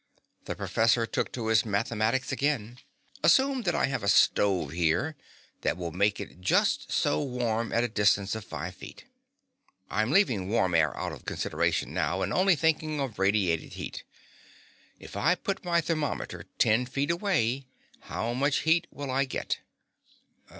The professor took to his mathematics again. Assume that I have a stove here that will make it just so warm at a distance of five feet. I'm leaving warm air out of consideration now and only thinking of radiated heat. If I put my thermometer ten feet away how much heat will I get?"